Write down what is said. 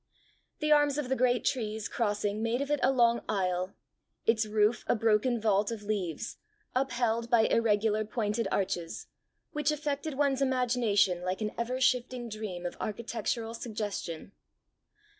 The arms of the great trees crossing made of it a long aisle its roof a broken vault of leaves, upheld by irregular pointed arches which affected one's imagination like an ever shifting dream of architectural suggestion.